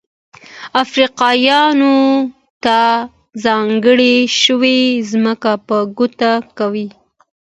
افریقایانو ته ځانګړې شوې ځمکه په ګوته کوي.